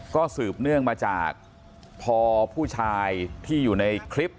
ก็สืบเนื่องมาจากพอผู้ชายที่อยู่ในคลิป